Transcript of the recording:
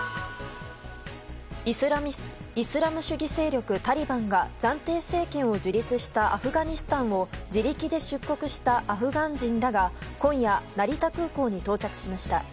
イスラム主義勢力タリバンが暫定政権を樹立したアフガニスタンを自力で出国したアフガン人らが今夜、成田空港に到着しました。